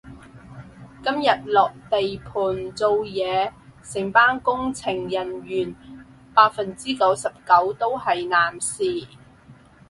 今日落地盤做嘢，成班工程人員百分之九十九都係男士